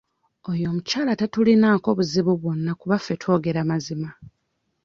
Oyo omukyala tatulinaako buzibu bwonna kuba ffe twogera mazima.